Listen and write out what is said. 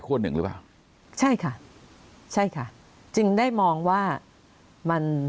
หนึ่งหรือเปล่าใช่ค่ะใช่ค่ะจึงได้มองว่ามัน